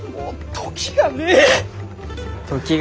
時がねぇ？